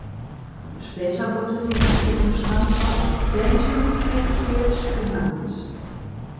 Später wurde sie nach ihrem Standort „Benton Street Bridge“ genannt.